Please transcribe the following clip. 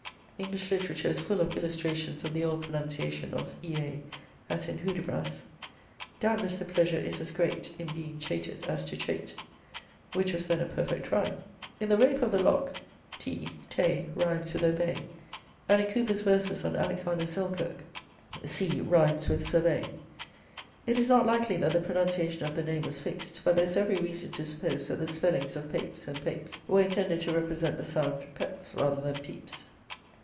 English literature is full of illustrations of the old pronunciation of ea, as in "Hudibras;" "Doubtless the pleasure is as great In being cheated as to cheat," which was then a perfect rhyme. In the "Rape of the Lock" tea (tay) rhymes with obey, and in Cowper's verses on Alexander Selkirk sea rhymes with survey.' It is not likely that the pronunciation of the name was fixed, but there is every reason to suppose that the spellings of Peyps and Peaps were intended to represent the sound Pepes rather than Peeps.